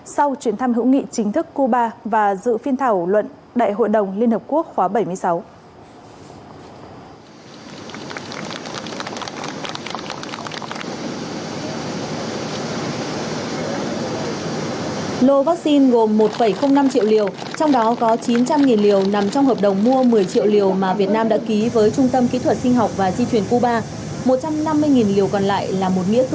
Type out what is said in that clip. sau chuyến thăm hữu nghị chính thức cuba và dự phiên thảo luận đại hội đồng liên hợp quốc khóa bảy mươi sáu